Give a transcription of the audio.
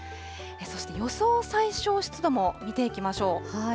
そして予想最小湿度も見ていきましょう。